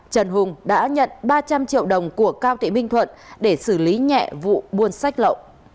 trần hùng đã nhận ba trăm linh triệu đồng của cao thị minh thuận để xử lý nhẹ vụ buôn sách lậu